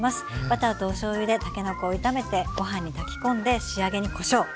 バターとおしょうゆでたけのこを炒めてご飯に炊き込んで仕上げにこしょう！